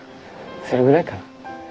それぐらいかな。